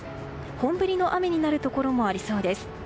本降りの雨になるところもありそうです。